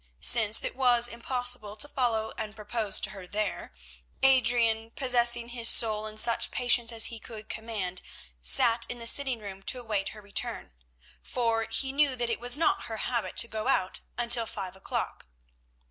Since it was impossible to follow and propose to her there, Adrian, possessing his soul in such patience as he could command, sat in the sitting room to await her return, for he knew that it was not her habit to go out until five o'clock.